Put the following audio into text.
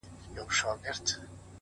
د زړه لاسونه مو مات ، مات سول پسي،